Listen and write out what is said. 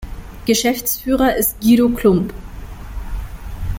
Geschäftsführer ist Guido Klumpp.